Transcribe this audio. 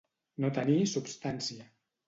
No tenir substància.